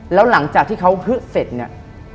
แล้วหลังจากที่เขาฮึดเสร็จเนี่ย